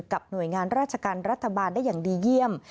หน่วยงานราชการรัฐบาลได้อย่างดีเยี่ยม